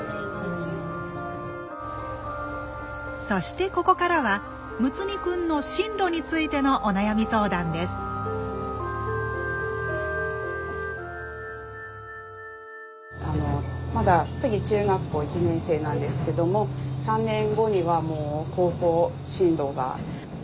そしてここからは睦弥くんの進路についてのお悩み相談ですまだ次中学校１年生なんですけども３年後にはもう高校進路が。